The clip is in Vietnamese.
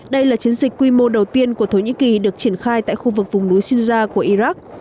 đây là chiến dịch quy mô đầu tiên của thổ nhĩ kỳ được triển khai tại khu vực vùng núi shinza của iraq